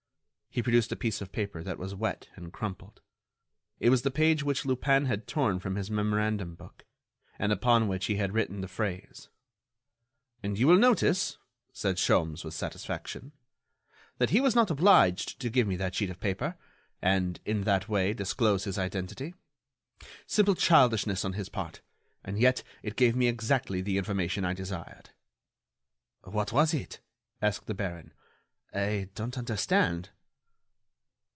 He produced a piece of paper that was wet and crumpled. It was the page which Lupin had torn from his memorandum book, and upon which he had written the phrase. "And you will notice," said Sholmes, with satisfaction, "that he was not obliged to give me that sheet of paper, and, in that way, disclose his identity. Simple childishness on his part, and yet it gave me exactly the information I desired." "What was it?" asked the baron. "I don't understand."